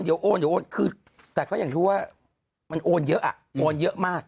เดี๋ยวโอนเดี๋ยวโอนคือแต่ก็อยากรู้ว่ามันโอนเยอะอ่ะโอนเยอะมาก